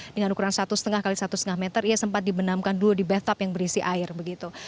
dengan ukuran satu lima x satu lima meter ia sempat dibenamkan dulu di battop yang berisi air begitu